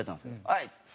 「はい」っつって。